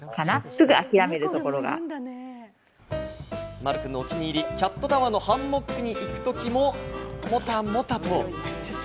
まるくんのお気に入り、キャットタワーのハンモックに行くときも、モタモタと。